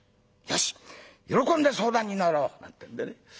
よし喜んで相談に乗ろう」なんてんでね。